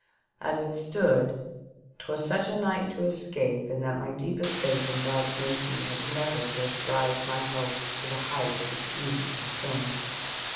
As it stood, 'twas such a night to escape in that my deepest faith in God's mercy had never durst raise my hopes to the height of its beauty and stillness.